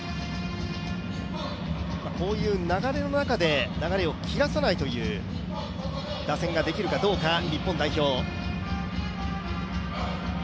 こういう流れの中で、流れを切らさないという打線ができるかどうか、日本代表。